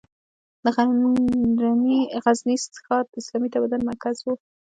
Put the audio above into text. د غزني ښار د اسلامي تمدن مرکز و.